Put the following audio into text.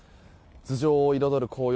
頭上を彩る紅葉